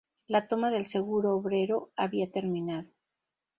La toma del Seguro Obrero había terminado.